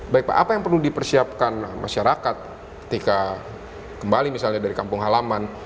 baik pak apa yang perlu dipersiapkan masyarakat ketika kembali misalnya dari kampung halaman